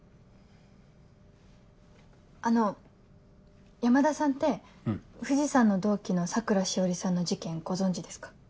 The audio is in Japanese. あの山田さんって藤さんの同期の桜しおりさんの事件ご存じですか？